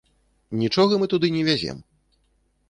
Нічога мы туды не вязем.